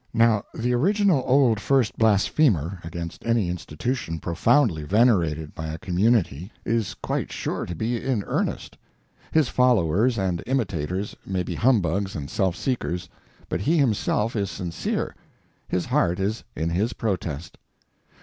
Now the original old first blasphemer against any institution profoundly venerated by a community is quite sure to be in earnest; his followers and imitators may be humbugs and self seekers, but he himself is sincere—his heart is in his protest.